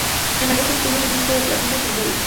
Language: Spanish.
En agosto obtuvieron un disco de platino por ""Vuelo"".